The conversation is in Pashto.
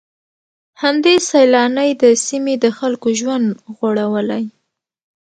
همدې سيلانۍ د سيمې د خلکو ژوند غوړولی.